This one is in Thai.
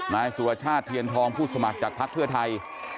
นายสุรชาติเทียนทองผู้สมัครจากภักดิ์เพื่อไทย